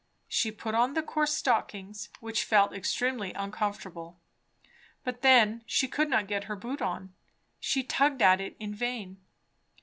She put on the coarse stockings, which felt extremely uncomfortable. But then she could not get her boot on. She tugged at it in vain.